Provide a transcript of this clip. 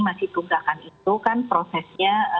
masih tunggakan itu kan prosesnya